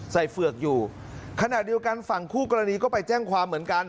เฝือกอยู่ขณะเดียวกันฝั่งคู่กรณีก็ไปแจ้งความเหมือนกัน